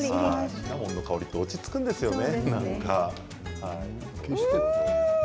シナモンの香りってなんか落ち着くんですよね。